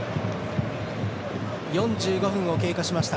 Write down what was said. ４５分を経過しました。